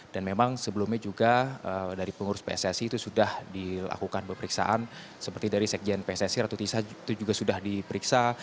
dan memang sebelumnya juga dari pengurus pssi itu sudah dilakukan perperiksaan seperti dari sekjen pssi ratu tisa itu juga sudah diperiksa